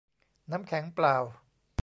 น้ำแข็งเปล่า